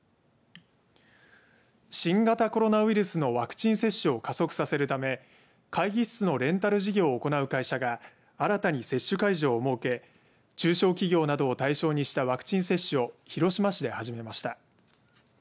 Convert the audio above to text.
新型コロナウイルスのワクチン接種を加速させるため会議室のレンタル事業を行う会社が新たに接種会場を設け中小企業などを対象にしたワクチン接種を広島市で始めました。